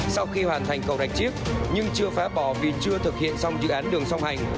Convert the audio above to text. sau khi hoàn thành cầu rạch chiếc nhưng chưa phá bỏ vì chưa thực hiện xong dự án đường song hành